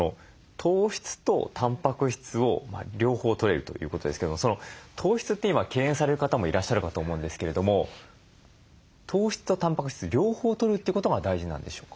糖質とたんぱく質を両方とれるということですけども糖質って今敬遠される方もいらっしゃるかと思うんですけれども糖質とたんぱく質両方とるということが大事なんでしょうか？